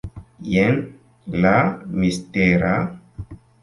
Jen la mistera...